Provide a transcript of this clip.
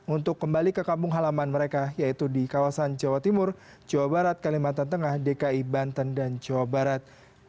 untuk kembali ke kampung halaman mereka yaitu di kawasan jawa timur jawa barat kalimantan tengah dki banten dan jawa barat